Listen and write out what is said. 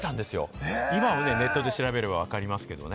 今はね、ネットで調べればわかりますけれどね。